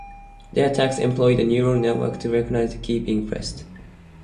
Their attack employed a neural network to recognize the key being pressed.